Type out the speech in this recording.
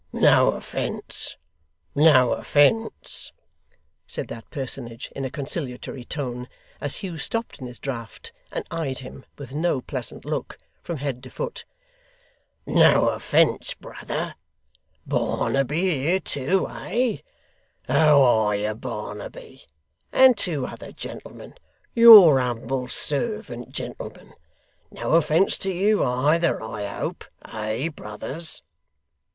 'No offence, no offence,' said that personage in a conciliatory tone, as Hugh stopped in his draught, and eyed him, with no pleasant look, from head to foot. 'No offence, brother. Barnaby here too, eh? How are you, Barnaby? And two other gentlemen! Your humble servant, gentlemen. No offence to YOU either, I hope. Eh, brothers?